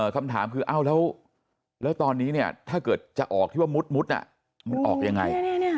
คำถามคือแล้วตอนนี้เนี่ยถ้าเกิดจะออกแบบมุดมันออกอย่างไร